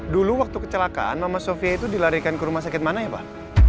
dulu waktu kecelakaan mama sofia itu dilarikan ke rumah sakit mana ya pak